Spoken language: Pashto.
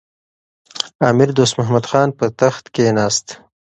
امیر دوست محمد خان پر تخت کښېناست.